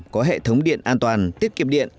có hệ thống điện an toàn tiết kiệm điện